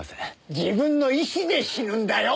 自分の意思で死ぬんだよ。